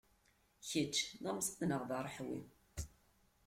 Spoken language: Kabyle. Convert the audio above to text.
Kečč d amẓad neɣ d aṛeḥwi?